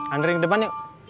andriin ke depan yuk